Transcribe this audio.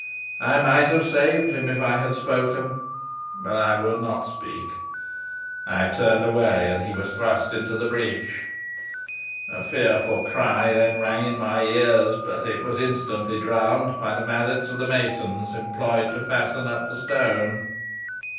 I might have saved him if I had spoken, but I would not speak. I turned away, and he was thrust into the breach. A fearful cry then rang in my ears, but it was instantly drowned by the mallets of the masons employed to fasten up the stone."